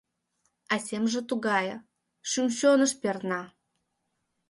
А семже тугае — шӱм-чоныш перна.